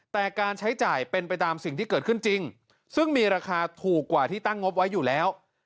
แต่การใช้จ่ายเป็นไปตามสิ่งที่เกิดขึ้นจริงซึ่งมีราคาถูกกว่าที่ตั้งงบไว้อยู่แล้ว